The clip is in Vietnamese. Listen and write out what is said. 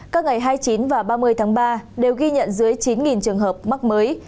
các ngày hai mươi chín và ba mươi tháng ba đều ghi nhận dưới chín trường hợp mắc mới